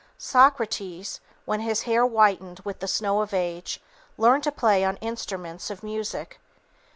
Socrates, when his hair whitened with the snow of age, learned to play on instruments of music.